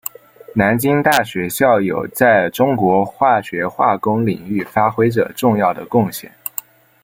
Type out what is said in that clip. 南京大学校友在中国化学化工领域发挥着重要的贡献。